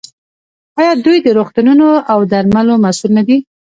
آیا دوی د روغتونونو او درملو مسوول نه دي؟